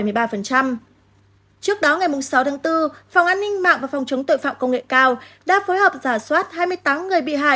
trước đó ngày sáu tháng bốn phòng an ninh mạng và phòng chống tội phạm công nghệ cao đã phối hợp giả soát hai mươi tám người bị hại